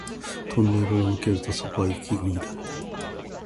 トンネルを抜けるとそこは雪国だった